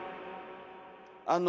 あの。